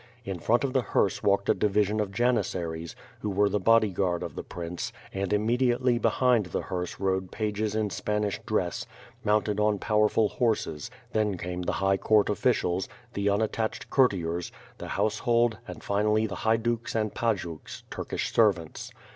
In front of the hearse walked a division of janissaries, who were the body guard of the prince, and immediately behind the hearse rode pages in Spanish dress, mounted on powerful horses, then came the high court officials, the unattachd courtiers, the household and finally the Haiduks and Pajuks (Turkish servants.)